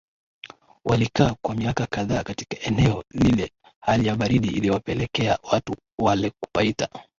Walikaa kwa miaka kadhaa katika eneo lile Hali ya baridi iliwapelekea watu wale kupaita